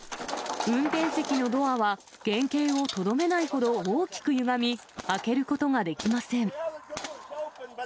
運転席のドアは原形をとどめないほど大きくゆがみ、開けることができません。